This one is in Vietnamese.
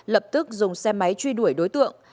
lập tức dùng xe máy truy đuổi đối tượng